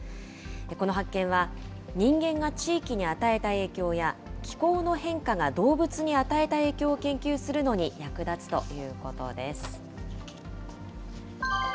この発見は、人間が地域に与えた影響や、気候の変化が動物に与えた影響を研究するのに役立つということです。